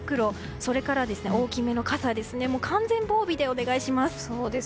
それから、大きめの傘など完全防備でお願いします。